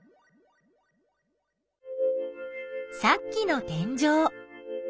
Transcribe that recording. さっきの天井。